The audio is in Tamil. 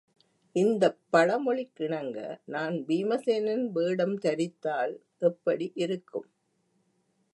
இந்தப் பழமொழிக் கிணங்க, நான் பீமசேனன் வேடம் தரித்தால் எப்படியிருக்கும்!